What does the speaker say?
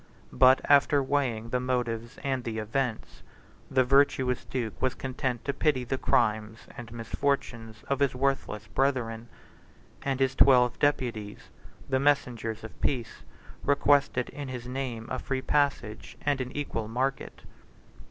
But, after weighing the motives and the events, the virtuous duke was content to pity the crimes and misfortunes of his worthless brethren; and his twelve deputies, the messengers of peace, requested in his name a free passage and an equal market.